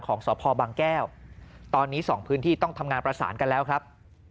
ของสพบางแก้วตอนนี้สองพื้นที่ต้องทำงานประสานกันแล้วครับ